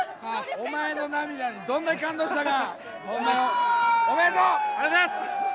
おまえの涙にどんだけ感動したか。